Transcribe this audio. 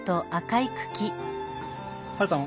ハルさん